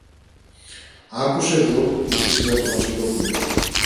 Άκουσε δω, είπε σιγά το Βασιλόπουλο